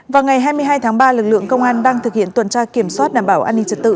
vào ngày hai mươi hai tháng ba lực lượng công an đang thực hiện tuần tra kiểm soát đảm bảo an ninh trật tự